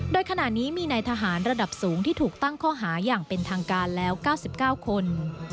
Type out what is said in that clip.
โดยขณะนี้มีนายทหารระดับสูงที่ถูกตั้งข้อหาอย่างเป็นทางการแล้ว๙๙คน